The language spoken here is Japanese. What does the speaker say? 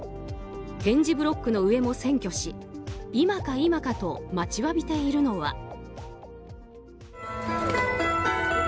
点字ブロックの上も占拠し今か今かと待ちわびているのは。